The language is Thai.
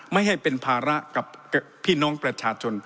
ไม่ให้เป็นภาระกับพี่น้องประชาชน